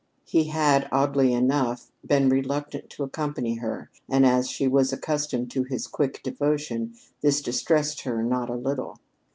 He had, oddly enough, been reluctant to accompany her, and, as she was accustomed to his quick devotion, this distressed her not a little.